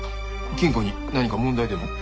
金庫に何か問題でも？